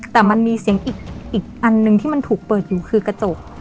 แต่มันมีเสียงอีกอันหนึ่งที่มันถูกเปิดอยู่คือกระจก